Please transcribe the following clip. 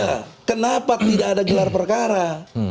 nah kenapa tidak ada gelar perkara